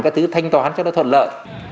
các thứ thanh toán cho nó thuận lợi